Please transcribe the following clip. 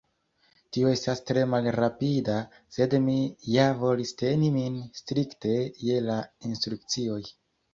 Tio estas tre malrapida, sed mi ja volis teni min strikte je la instrukcioj.